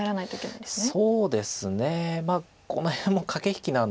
そうですね。